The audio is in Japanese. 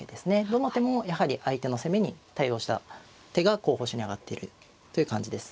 どの手もやはり相手の攻めに対応した手が候補手に挙がっているという感じです。